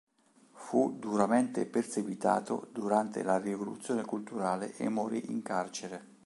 Fu duramente perseguitato durante la Rivoluzione Culturale e morì in carcere.